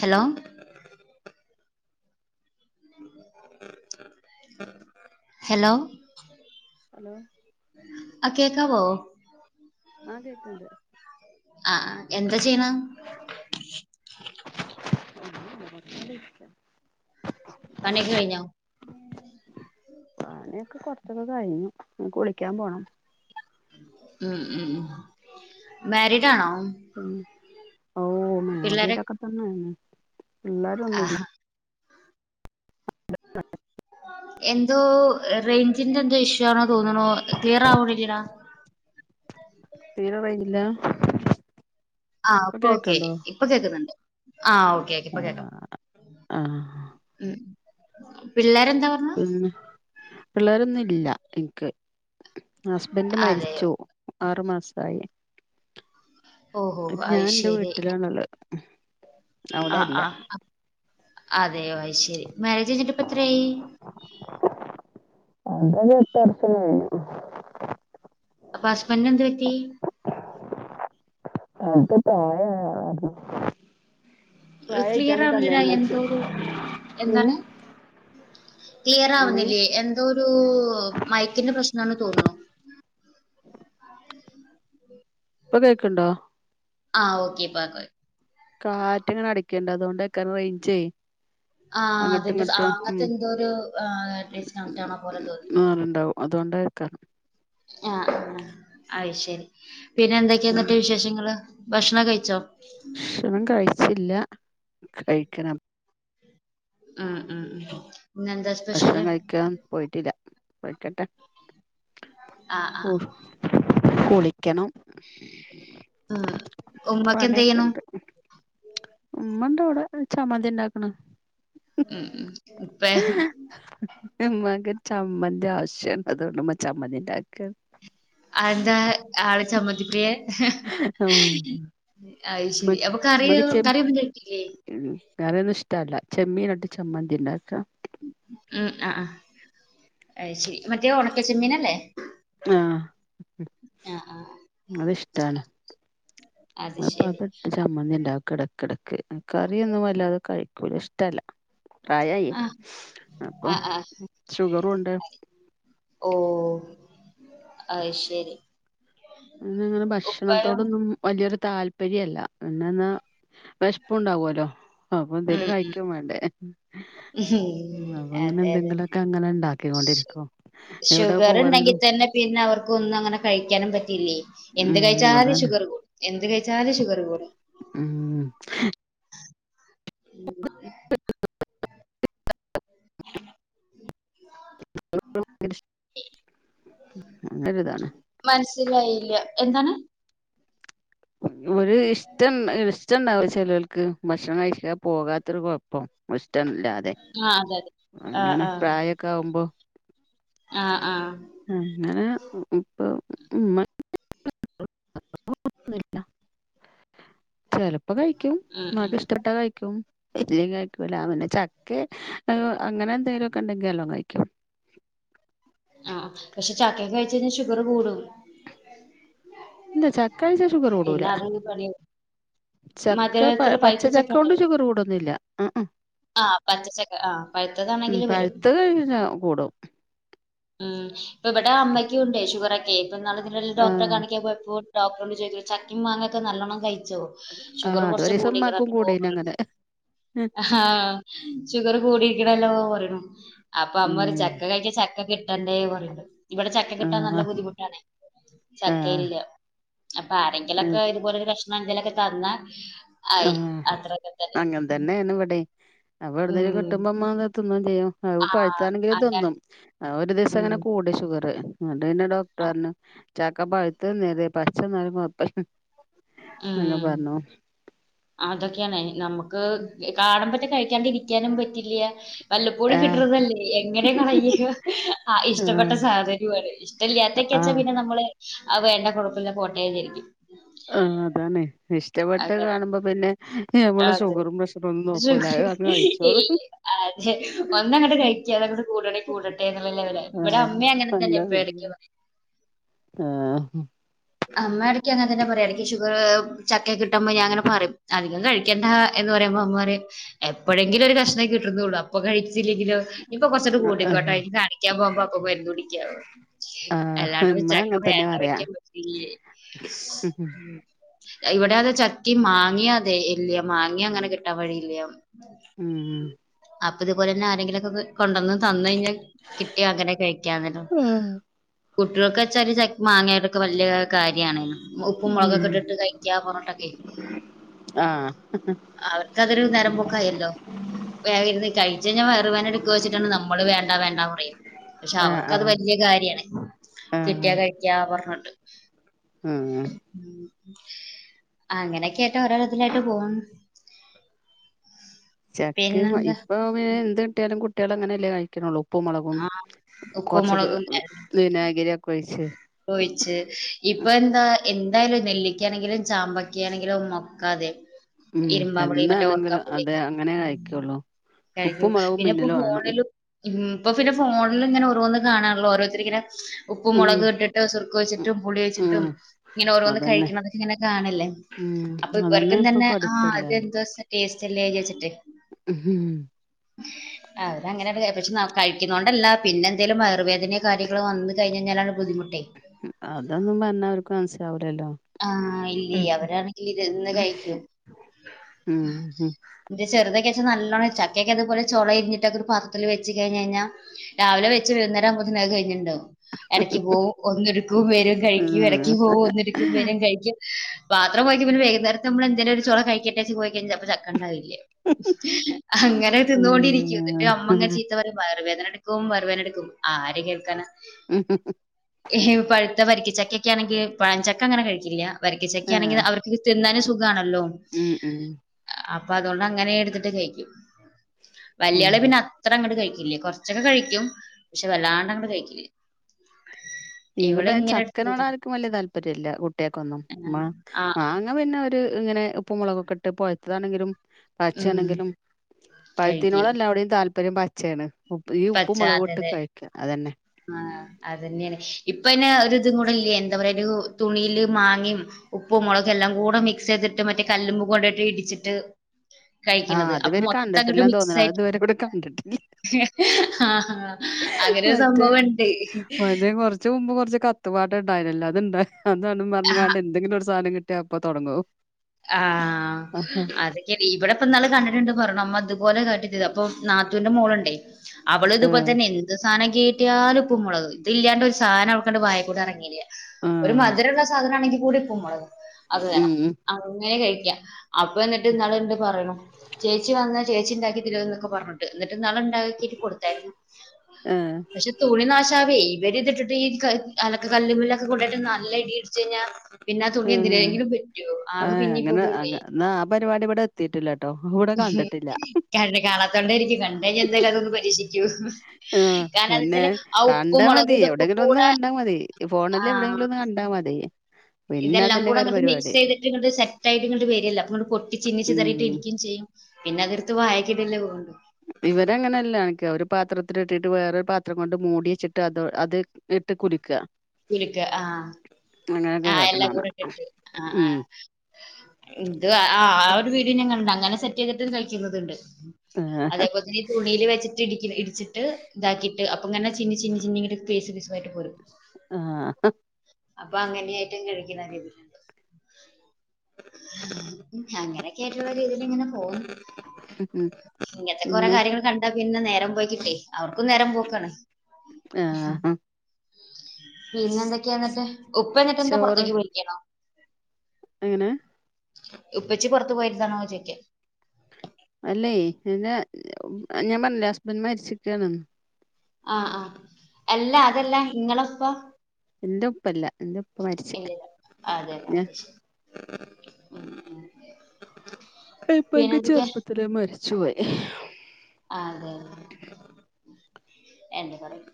Hello hello hello ആഹ് കേക്കാവോ ആഹ് കേക്കണ്ട് ആ എന്താ ചെയ്യണ [unintelligible] പണിയൊക്കെ കഴിഞ്ഞോ പണിയൊക്കെ കുറച്ചൊക്കെ കഴിഞ്ഞു നിക്ക് കുളിക്കാൻ പോണം ഉം ഉം ഉം മേരിഡ് ആണോ പിന്നെ ഓ പിള്ളേരെ മാരിഡൊക്കെ തന്നെ ആ, പിള്ളരൊന്നും ഇല്ല അ എന്തോ റേഞ്ചിന്റെ എന്തോ ഇഷ്യൂ ആണോ തോന്നണോ ക്ലിയർ ആവണില്ലല്ലേ തീരെ റെയിഞ്ച് ഇല്ല ആ ഇപ്പൊ അപ്പൊ ഓക്കെ കേക്ക്ണ്ടോ ഇപ്പൊ കേൾക്കുന്നുണ്ട് ആ ഓക്കെ ഓക്കെ ഇപ്പൊ കേക്കാം ആഹ് ഉം പിള്ളേരെ എന്താ പറഞെ പിന്ന പിള്ളേരൊന്നും ഇല്ല എനിക്ക് ഹസ്ബൻഡ് അതെയോ മരിച്ചു ആറു മാസമായി ഓഹോ ഇപ്പം അത് ഞാൻ എന്റെ ശരി വീട്ട്ലാണ് ഉള്ളത് ആഹ് ആഹ് അതെയോ അയ് ശെരി മാരേജ് കയ്ഞ്ഞിട്ട് എത്രയി? എന്തോ കേട്ട് എറക്കല്യ്യും അപ്പോ ഹസ്ബന്റിന് എന്ത് പറ്റി? അത് പ്രായായ ആളായിരുന്നു ക്ലിയർ പ്രായയിട്ടാണ് ആവുന്നില്ല കല്യാണം കൈച്ച് എന്തോ ഒരു മ് ക്ലിയറാവ്ന്നില്ല്യേ എന്തോ ഒരു മയ്ക്കിന്റെ പ്രശ്നാണ് തോന്ന്ണു. ഇപ്പം കേക്ക്ണ്ടോ? ആ ഓക്കെ പ്പ ക്കായി കാറ്റ് ഇങ്ങനെ അടക്ക്ണ്ട് അതോണ്ടേയ്കാരം റേഞ്ചേ ആ അങ്ങട്ടും അതിന്റെ ആ ഇങ്ങട്ടും അങ്ങൻത്തെ ഉം എന്തോ ഒരു ആ ഡിസ്കണക്റ്റ് ആണോ പോലെ തോന്നി. അതോണ്ടായിക്കാരം ആഹ് ആഹ് അയ് ശെരി പിന്നെ എന്തൊക്കെയ ഇന്ന്ട്ട് പിന്നെ വിശേഷങ്ങള്.? ഭഷ്ണം കഴിച്ചോ? ഭഷണം കഴിച്ചില്ല കഴിക്കണം. ഉം ഉം ഉം ഇന്നെന്താ ഷ് ഭഷണം കഴിക്കാ പോയിറ്റില്ല കയിക്കട്ടെ ആ ആ ഊ ഫ്. കുളിക്കണം ഉം. ഉമ്മക്ക് എന്ത് ചെയ്യണു പണിക്കെണ്ട്. ഉമ്മണ്ടവ്ടെ ചമ്മന്തി ഉണ്ടാക്ണ്. ഉം ഉം ഇപ്പെ? ഇമ്മക്ക് ചമ്മന്തി ആവശ്യം ണ് അതോണ്ട് ഇമ്മ ചമ്മന്തി ഇണ്ടാക്ക. അഹ് എന്താ ആള് ചമ്മന്തി പ്രിയെ? [inaudible] അയ് ശെരി അപ്പൊക്കറിയോ കറിന്നും കയിക്കില്ലേ.? ഉം കറിഒന്നും ഇഷ്ടല്ല ചെമ്മീനട്ട് ചമ്മന്തി ഇണ്ടക്കാ. ഉം ആ ആ അയ്ശെ മറ്റേ ഒണക്കച്ചെമ്മീനല്ലേ? ആഹ് ആഹ് ആഹ് അത്ഷ്ടാണ്. അപ്പം അത്. ഇട്ട് ചമ്മന്തി ഇണ്ടാ കെട കെടക്ക് കറി ന്നും വല്ലാതെ കഴിക്കൂല ഇഷ്ടല്ല. പ്രായായി ആഹ് അപ്പം ആഹ് ആഹ് ഷുഗറുണ്ട് ഓഹ് അഹ് ശെരി. അങ്ങെങ്ങനെ ഭക്ഷണത്തോടൊന്നും വല്ല്യോരു താല്പര്യല്ല പിന്നന്ന് വെഷ്പ്പു ണ്ടാവല്ലോ. അപ്പൊ എന്തേലു ഉം ഉം കഴിയ്ക്കു വേണ്ടേ? ഉം ങ്ങനെ അതെ അതെ എന്തെങ്കിലുക്കെ അങ്ങനെ ണ്ടാക്കൊണ്ടിര്ക്കു എവ്ടെ ഷുഗർ ഉണ്ടെങ്കി പോവാണെങ്കിലും തന്നെ പിന്നെ അവർക്ക് ഒന്നും അങ്ങനെ കഴിക്കാനും പറ്റിയില്ലേ എന്ത് ഉം കഴിച്ചാലു അതാണ് ഷുഗർ കൂടും എന്ത് കഴിച്ചാലു ഷുഗർ കൂടും. ഉം ഹെ [inaudible] [inaudible] [unintelligible] നല്ല ഒരു ഇതാണ്. മനസ്സിലായില്ല്യ എന്താണ്? ഒര് ഇഷ്ട്ടം ഇഷ്ട ണ്ടാവു ചെലോൽക്ക് ഭക്ഷണം കഴിക്കാ പോകാത്തൊരു കൊയപ്പം ഇപ്പം ഇഷ്ടല്ലാതെ ആഹ് അതെ അതെ അങ്ങനെ ആഹ് പ്രായൊക്കെ ആവുമ്പോ ആഹ് ആഹ്. അങ്ങനെ ഉം പ്പൊ മ്മ ന്ന് ല്ല ചെലപ്പോ കയ്ക്യും ഉം ഉം മ്മാക്ക് ഇഷ്ടപ്പെട്ടാ കൈക്യും. ഇട്ടിലി കഴിക്കൂലാ പിന്നെ ചക്കെ അതുപോ അങ്ങനെ എന്തെലൊക്കെണ്ടെങ്കി നല്ലോ കൈയ്ക്കും ആഹ് പക്ഷേ ചക്കേകഴിചെയ്ഞ്ഞാ ഷുഗറ് കൂടും. ഇല്ലാ ചക്കയ്ച്ചാ ഷുഗറ് കൂടൂല. പിന്നെ അത് പണി ചക്ക പ മധുരത്തിൽ പഴുത്ത ചക്ക പച്ചച്ചക്കോണ്ട് ഉണ്ടല്ലോ ഷുഗറ് കൂടൊന്നുല്ലാ ഇമ് ഇമ് ആഹ് പച്ചച്ചക്ക ആഹ് ഉം പഴുത്തതാണെങ്കിൽ വരും പഴുത്ത കഴിച്ചാ കൂടും. ഉം ഇപ്പൊ ഇബടെ അമ്മക്കും ഉണ്ടേയ് ഷുഗറൊക്കെ ഇപ്പന്നാള് ഇതിന്റെടേല് ഡോക്ടറെ ആഹ് കാണിക്കാ പോയപ്പോൾ ഡോക്ടറിങ്ങട്ട് ചോദിക്കേ ചക്കിം മാങ്ങിഒക്കെ നല്ലോണ്ണം കഴിച്ചോ ആഹ് ഷുഗറ് കൊർച്ച് അതൊരീസം ഉമ്മാക്കും കൂടീക്കണല്ലോ കൂടീന് [unintelligible] അങ്ങനെ ആഹാ ഷുഗറ് കൂടീക്കണല്ലോ പറയണു. അപ്പൊ അമ്മറിം ഉം ചക്ക കഴിക്കാൻ ചക്ക കിട്ടണ്ടേ പറയൂണ്ട് ഇവിടെ ചക്ക കിട്ടാൻ നല്ല ആഹ് ബുദ്ധിമുട്ടാണേ ആഹ് ചക്കയില്ല അപ്പൊ ആരെങ്കിലൊക്കെ ഇതുപോലൊരു കഷ്ണം എന്തേങ്കിലൊക്കെ തന്നാ ആയി അത്രൊക്കെതന്നെ. പിന്നെ ഇവിടെയ് അപ്പൊ എവിടെന്നങ്കിലും കിട്ടുമ്പോ അമ്മ തിന്നും ചെയും അത് ആഹ് പഴുത്താണെങ്കിലും അതാണ് തിന്നും. ആ ഒരു ദിവസം ഉം അങ്ങനെ കൂടി ഷുഗറ് എന്നിട്ട് പിന്നെ ഡോക്ടർ ആഹ് പർഞ്ഞു ചക്കപ്പഴുത്ത് തിന്നരുതേ പച്ചന്നാലും കൊയപ്പല്ല എന്നൊക്കെ പറഞ്ഞു. അതൊക്കേണ് നമുക്ക് കാണുമ്പറ്റെ കഴിക്കാണ്ടിരിക്കാനും പറ്റില്ല്യ വല്ലപ്പോഴും ആഹ് കിട്ടുന്നതല്ലേ എങ്ങനെ കളയുക ആ ഇഷ്ടപ്പെട്ട ആഹ് സാധനവുമാണ്. ഇഷ്ടമല്ലില്ലാത്തക്കച്ച ആഹ് പിന്നെ നമ്മള് വേണ്ട കൊഴപ്പല്ല പോട്ടേവിചാരിക്കും. ആഹ് അതാണേ ഇഷ്ടപ്പെട്ട അതെ കാണുമ്പോ പിന്നെ നമ്മള് അതെ ഷുഗറും പ്രഷറും ഒന്നും നോക്കൂല അത് അങ്ങ് കഴിച്ചോളും അതെ ഒന്നങ്ങോട്ട് കയി ക്കാതെങ്ങട്ട് കൂടാണേ കൂടട്ടെ എന്നുള്ള ലവലായി ഇവിടെ അമ്മ ആഹ് അങ്ങനെതന്നെ അല്ല എപ്പോഴാടക്ക പറ ആഹ് അമ്മേഎടക്ക് അങ്ങെൻതന്നെ പറയാ എടയ്ക്ക് ഷുഗർ ചക്ക കിട്ടുമ്പോ ഞാൻ ഇങ്ങനെ പറയും അധികം കഴിക്കേണ്ട എന്ന് പറയുമ്പോ അമ്മ പറയും. എപ്പോഴെങ്കിലും ഒരു കഷ്ണേ കിട്ടുന്നള്ളൂ അപ്പൊ കഴിച്ചില്ലെങ്കിലോ? ഇപ്പൊ കൊർച്ചൊക്കെ ആഹ് കൂട്ടിക്കോട്ടെ ഇനി കാണിക്കാൻ പോകുമ്പോ അപ്പൊ മരുന്ന് കുടിക്കാ ആഹ് അല്ലാണ്ടപ്പോ ഇമ്മ ചക്ക അങ്ങനെ തന്നെ വേണ്ട പറയാ വെക്കാൻ പറ്റില്ലേ ഇവിടെ അതെ ചക്കീം മാങ്ങി അതെ ഇല്ല മാങ്ങിം അങ്ങനെ കിട്ടാൻ വഴിയില്ല. ഉം അപ്പൊ ഇതുപോലെന്നെ ആരെങ്കിലൊക്കെ കൊണ്ടുവന്ന് തന്ന് കഴിഞ്ഞാൽ കിട്ടിയാ അങ്ങനെ കഴിക്കാന്നല്ലോ ഉം ആഹ് കുട്ട്യൾക്കെച്ചാല് ച മാങ്ങയോട് ക്കെ വല്ല്യ കാര്യണെയ്നും ഉപ്പും മുളകൊക്കെ ഉം ഇട്ടിട്ട് കഴിക്കാ പറഞ്ഞിട്ടൊക്കെയ് ആഹ് അവർക്കതൊരു നേരം പോക്കായല്ലോ? വേഗം ഇര്ന്ന് കഴിച്ചഴിഞ്ഞാ വയറു വേദന എടുക്കോച്ചിട്ടാണ് നമ്മള് വേണ്ട വേണ്ടാ പറയും പക്ഷേ ആഹ് അവർക്കത് ആഹ് വല്ല്യ കാര്യണ് കിട്ടിയാ കഴിക്കാ പർഞ്ഞ് ഉം ഉം അങ്ങനെയൊക്കെയായിട്ട് ഓരോരുതിലായിട്ട് പോന്ന്. ചക്കിം പിന്നെന്താ ഇപ്പൊ എന്ത് കിട്ടിയാലും കുട്ട്യാളങ്ങനെ അല്ലേ കഴിക്കണള്ളൂ ഉപ്പും മുളകും ആഹ് ഉപ്പും കൊർച്ചൊക്കെ മുളകും വിനാകിരിയൊക്കെ ഒഴിച്ച്. ഒഴിച്ച് ഇപ്പൊ എന്താ എന്തായാലും നെല്ലിക്ക ആണെങ്കിലും ചാമ്പക്ക ആണെങ്കിലും ഒക്കതേ ഉം ഇരുമ്പാമ്പുളി മറ്റേ എന്താണെങ്കിലും അതെ ഓർക്കാപ്പുളിയൊക്കെ അങ്ങനെ ഉം കഴിക്കുള്ളൂ കഴിക്കും ഉപ്പും മുളകും പിന്നെ ഇപ്പൊ മുന്നിൽ വേണം ഫോണിലും ഇമ് ഇപ്പൊ പിന്നെ ഫോൺലിങ്ങനെ ഓരോന്ന് കാണാണല്ലോ ഓരോത്തരി ഇങ്ങനെ ഉപ്പ് ഉം മുളക് ഇട്ടിട്ട് സുർക്ക ഉം ഒഴിച്ചിട്ടും പുളി ഉം ഒഴിച്ചിട്ടും ഇങ്ങനെ ഓരോന്ന് അതന്നെ കഴിക്കണതൊക്കെ ഇങ്ങനെ കാണല്ലേ ഉം അപ്പൊ അതന്നെ ഇവർക്കും ഇപ്പൊ തന്നെ ആ പഠിപ്പല്ലാരും എന്തോ ടേസ്റ്റ്ല്ലേ വിവാരിച്ചിട്ടെ ഉം ഹും എഹെ അവര് അങ്ങനെണ്ട് [unintelligible] പക്ഷേ കഴിക്കുന്നതോണ്ടല്ല പിന്നെന്തങ്കിലും വയർവേദന കാര്യങ്ങളോ വന്നു കഴിഞ്ഞാലാണ് ബുദ്ധിമുട്ടയ് അതൊന്നും പറഞ്ഞാ അവർക്ക് മനസ്സിലാവുലല്ലോ. ആഹ് ഇല്ലേയ് അവരാണെങ്കില് ഇരുന്ന് കഴിക്കും. ഉം ഉം ന്റെ ചെറുതൊക്കെച്ചാ നല്ലോണം ചക്കെക്കെ ത്പോലെ ചൊളരിഞ്ഞട്ടൊക്കെ ഒരു പത്രത്തിൽ വെച്ച് കഴിഞ്ഞഴിഞ്ഞാ രാവിലെ വെച്ച്‌ വൈകുന്നേരാവുമ്പോത്തിന് അത് കഴിഞ്ണ്ടാവും. എടയ്ക്ക് പോവും ഒന്ന്ട്ക്കും വെരും കഴിക്കും ഇടയ്ക്ക് പോകും ഒന്ന്ട് കഴിക്കും പാത്രം പോയിക്കഴിഞ്ഞാൽ പിന്നെ വൈകുന്നേരം നമ്മള് എന്തേലും ഒരു ചൊള കഴിക്കട്ടെ വെച്ച് പോയി കഴിഞ്ഞാൽ ചെലപ്പോ ചക്ക ണ്ടാവില്ല. അങ്ങനെ തിന്നോണ്ടിരിക്കും. എന്നട്ട് അമ്മങ്ങനെ ഉം ചീത്ത പറയും വയറ് വേദനട് ക്കും വയറ് വേദന എട്ക്കും ആര് കേൾക്കാന. [unintelligible] ഈ ഹി പഴുത്ത വരിക്കച്ചക്കൊക്കെ ആണെങ്കിൽ പഴംചക്ക അങ്ങനെ കഴിക്കില്ല വരിക്കച്ചക്ക ആണെങ്കിൽ അവർ. ല് തിന്നാന് സുഖണല്ലോ. ഉം ഉം. അപ്പൊ അത്കൊണ്ട് അങ്ങനെ എടുത്തിട്ട് കഴിക്കും വല്യാള് ഉം പിന്നെ അത് ത്ര അങ്ങട്ട് കഴിക്കില്ല. കൊറച്ചൊക്കെ കഴിക്കും പക്ഷെ വല്ലാണ്ട് അങ്ങട് കഴിക്കില്ല. ഇവള് ഇവ്ടെ ഇങ്ങനെ ചക്കനോട് എടുത്ത് ആർക്കും വല്യ താല്പര്യല്ല കുട്ട്യാക്കൊന്നും മ ആ മാങ്ങ ഞാൻ പിന്നെ ഒര് ഇങ്ങനെ ഉപ്പും മോള്കൊക്കിട്ട് പഴുത്തതാണെങ്കിലും. ഉം പച്ചേണെങ്കിലും കഴുകി പഴുത്തിനോടല്ല അവിടിം താല്പര്യം പച് ച്ചേണ് ഉപ്പ് ഈ ഉപ്പ് മോളകൂട്ട് കഴിക്ക അതന്നെ. ആഹ് അതെന്നെണ്. ഇപ്പഅയ്‌ന് ഒര് ഇതും കൂടെ ഇല്ലേ എന്താ പറയാ ഒരു തുണിയില് മാങ്ങിം ഉപ്പും, മോളകും എല്ലാം കൂടെ മിക്സ് ചെയ്തിട്ട് മറ്റേ കല്ല്മ്മെ കൊണ്ടോയിട്ട് ഇടിച്ചിട്ട്. ആഹ് കഴിക്കണ്ത് അത് അപ്പൊ ഇവര് മൊത്തം ഇങ്ങട്ട് കണ്ടിട്ടില്ലാന്ന് തോന്നണു അത് മിക്സായിട്ട്. ഇതുവരെ ഇവിടെ കണ്ടിട്ടില്ല ആഹ് ആഹ് അങ്ങനൊരു സംഭവ് മറ്റേ വര്നിം കൊറച്ച് മുമ്പ് കൊറച്ച് കത്ത്പാട്ട് ഇണ്ടായ്നല്ലോ അത്ണ്ട്. അതാന്നും പറഞ്ഞ് കാണ്ട് എന്തെങ്കിലും ഒരു സാനം കിട്ടിയാ അപ്പോ തൊടങ്ങും. ആഹ് അത് എടി ഇബ്ടെ ഇപ്പ ന്നാള് കണ്ടിട്ട്ണ്ട് പറിണു, അമ്മ ഇത്പോലെ കാട്ടിതരോ അപ്പൊ ന്നാത്തൂന്റെ മോളുണ്ടേ. അവള് ഇതുപോലെ ആഹ് തന്നെ എന്ത് സാധനം കേറ്റിയാലും ഇപ്പും മോളഗ് ഇത് ഇല്ലാണ്ട് ഒരു സാധനം അവൾക്കണ്ട് വായെ കൂടെ എറങ്ങില്ല്യാ. ഒര് ആഹ് മധരള്ള സാധന ആണെങ്കിൽ കൂടി ഇപ്പും മോളഗും അത് വേണം ഉം അങ്ങനെ കഴിക്കാ. അപ്പന്ന്ട്ട് ഇന്നാള്ണ്ട് പറെണു ചേച്ചി വന്നാ ചേച്ചിണ്ടാക്കി തരോന്നൊക്കെ പറഞ്ഞ്ട്. ന്ന്ട്ട് ന്നാള് ണ്ടാക്കീറ്റ് കൊടുത്താര്ന്നു. ആഹ് പഷേ തുണി നാശാവെയ് ഇവരിതിട്ടിട്ട് ഈ ക്കൽ, അലക്ക്‌ കല്ലുമല്ലൊക്കെ കൊണ്ടായിട്ട് നല്ല ഇടി ഇട്ച്ച്ഴിഞ്ഞ പിന്നെ ആ തുണി എന്തിനെങ്കിലും പറ്റ് ആഹ് അങ്ങനെ ന്നാ ആ പരിപാടി ഇവ്ടെ എത്തിട്ടില്ലട്ടോ. കണ്ണ് കാണാതോണ്ടായിരിക്കും കണ്ടഴിഞ്ഞ എന്തായാലും അതൊന്ന് പരീക്ഷിക്കും ആഹ് മുന്നെ. മുളകും കണ്ടാമതി ഇതൊക്കെ എവിടെയെങ്കിലൊന്ന് കൂടെ കണ്ടാ മതി ഈ ഫോണില് എവിടെയെങ്കിലും ഒന്ന് കണ്ടാമതി. ഇതൊംല്ലാം കൂടെ അങ്ങട്ട് മിക്സ് ചെയ്തിട്ട് ഇങ്ങട്ട് സെറ്റായിട്ട് ഇങ്ങ്ട് വെരല്ലെ അപ്പോങ്ങട്ട് പൊട്ടി ചിന്നിച്ചിതറിയിട്ട് ഉം ഇരിക്കും ചെയ്യും. പിന്നെ അതിട്ത്ത് വായക്ക്ണ്ടല്ലേ വേണ്ടു. ഇവരെങ്ങനെല്ല അൻക്ക് ഒര് പാത്രത്തിൽ ഇട്ടിട്ട് വേറൊരു പാത്രം കൊണ്ട് മൂടി വെച്ചിട്ട് അത് അത് ഇട്ട് കുല്ക്ക. കുല്ക്ക ആഹ് ആഹ് കാട്ട്ണ എല്ലാം കാണാ കൂടെട്ട്ട്ട് അഹ്‌ ഉം ആഹ് ഇത് ആ ആ ഒരു വീഡിയോ ഞങ്ങണ്ട് അങ്ങനെ സെറ്റ് ചെയ്തിട്ടന്ന് കഴിക്കുന്നത്ണ്ട്. ആഹ് അതേപോലെ തന്നെ ഇ തുണില് വെച്ച് ട്ട് ഇടിക്ക്ണ് ഇടിച്ചിട്ട് ഇതാക്കിയിട്ട് അപ്പൊങ്ങനെ ചിന്നി ചിന്നി ചിന്നി ങ്ങട്ട് പേസ് പിസായിട്ട് പോരും. ആഹ് അപ്പൊ അങ്ങനെയായിട്ടും കഴിക്കുന്നത് ഇതില്ണ്ട് അങ്ങനെയൊക്കെ ആയിട്ടുള്ള രീതിൽ ഇങ്ങനെ പോന്നു. ഉം ഇങ്ങത്തെ കൊറെ പിന്നെ കാര്യങ്ങൾ കണ്ട പിന്നെ നേരം പോയി കിട്ടൊയ്. അവർക്കും നേരം പോക്കാണ്. ആഹ. പിന്നെ എന്തൊക്കെയാ ന്ന്ട്ട് ഉപ്പ എന്നിട്ട് എന്താ ചോറ് പുറത്തേക്ക് പോയിക്കണോ? എങ്ങനെ? ഉപ്പച്ചി പൊർത്ത് പോയിരതാണോ ചോയിക്ക. അല്ലേ ഇന്റെ [inaudible] ഞാൻ പറഞ്ഞില്ലേ ഹസ്ബന്റ് മര്ച്ചക്കാണ്. ആ ആ എല്ല അതെല്ല ഇങ്ങളെപ്പ. എന്റെ ഉപ്പല്ല എന്റെ ഉപ്പ മരിച്ച് ഇല്ലെല അതെന്നെ അയ്ശെരി. ഇപ്പ പിന്നെ എക്ക് എന്തൊക്കെയാ ചെറുപ്പത്തിലേ മരിച്ചുപോയി അതെ ആഹ് എന്താ പറയ്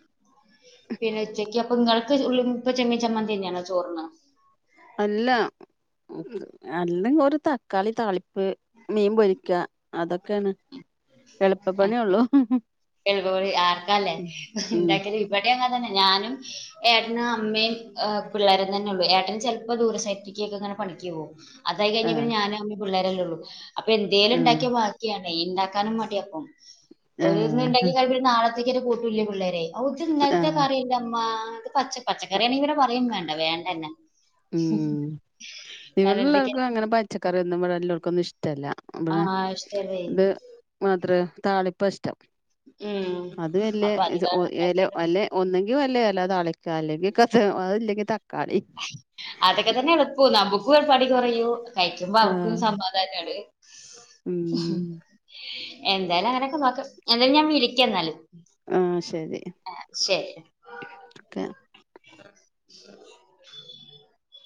പിന്നെ ഉച്ചക്ക് അപ്പ നിങ്ങൾക്ക് ച് ഉള്ളി മുപ്പ്‌ ചെമ്മീൻ ചമ്മന്തി തന്നെയാണോ ചോറിന് അല്ല അല്ലങ്കി ഒരു തക്കാളി താളിപ്പ് മീൻ പൊരിക്ക അതൊക്കെണ് എളുപ്പപ്പണിയേ ഒള്ളൂ എള്പ്പവഴി ആർക്കാല്ലേ ഉം ഇണ്ടാക്കല് ഇവിടെ അങ്ങനെ തന്നെ ഞാനും ഏട്ടനും അമ്മേം ഏഹ് പിള്ളേരും തന്നെ ഉള്ളു ഏട്ടന് ചിലപ്പോ ദൂര സൈറ്റിക്ക്‌ ക്ക്‌ങ്ങനെ പണിക്ക് പോകും അതായി കഴിഞ്ഞ ആഹ് പിന്നെ ഞാനും അമ്മേം പിള്ളേരല്ലേ ഉള്ളൂ അപ്പൊ എന്തേലും ആഹ് ഉണ്ടാക്കിയാമാത് ക്യാണെ ഇണ്ടാക്കാനും മടിയ അപ്പം ഹെ ഹ് ഇവര് നാളത്തേക്ക്‌ ഇവര് കൂട്ടില്ലേ പിള്ളേരെ ഇത് ഇന്നലത്തെ ആഹ് കറിയല്ലേമ്മ ഇത് പച്ച പച്ചക്കറിയാണെ പിന്നെ പറയും വേണ്ട വേണ്ടന്നെ ഉം വേറെ എന്തൊക്കെയ ച്ചക്കറി ഒന്നും ഇവിടാ എല്ലോർക്കൊന്നും ഇഷ്ടല്ല ആ അപ്പഴ് ഇഷ്ടല്ലേ ഇത് മാത്ര താളിപ്പ ഇഷ്ടം ഉം അത് യെല്ല അപ്പൊ അത് ഏജ് ഓ കാരണം ഏല ഉണ്ടാക്കിയാലും അല്ലെ ഒന്നെങ്കി വല്ല എല താളിക്കാ അല്ലെങ്കി കഥ അല്ലെങ്കി തക്കാളി അതൊക്കെ തന്നെ എളുപ്പം നമ്മുക്കും പണി കുറയൂ കഴിക്കുമ്പോ അവർക്കും ആഹ് സമാധാനാണ് ഉം ഹമ് എന്തായാലും അങ്ങനെയൊക്കെ നോക്ക്‌ എന്തായാലും ഞാൻ വിളിക്ക എന്നാല് ആഹ് ശരി ശരി ഓക്കെ [unintelligible]